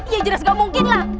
ya jelas gak mungkin lah